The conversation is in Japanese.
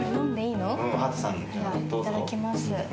いただきます。